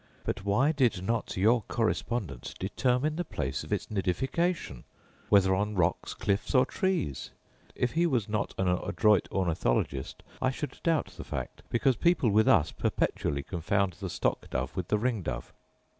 But why did not your correspondent determine the place of its nidification, whether on rocks, cliffs, or trees ? If he was not an adroit ornithologist I should doubt the fact, because people with us perpetually confound the stock dove with the ring dove.